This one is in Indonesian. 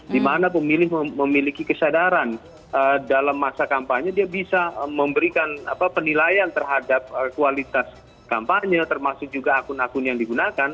dimana pemilih memiliki kesadaran dalam masa kampanye dia bisa memberikan penilaian terhadap kualitas kampanye termasuk juga akun akun yang digunakan